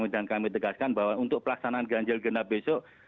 dan kami tegaskan bahwa untuk pelaksanaan ganjil genap besok